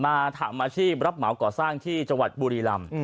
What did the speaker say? ทำอาชีพรับเหมาก่อสร้างที่จังหวัดบุรีรำ